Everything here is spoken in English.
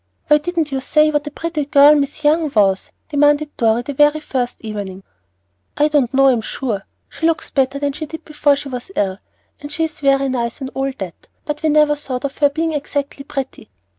"Why didn't you say what a pretty girl Miss Young was?" demanded Dorry the very first evening. "I don't know, I'm sure. She looks better than she did before she was ill, and she's very nice and all that, but we never thought of her being exactly pretty."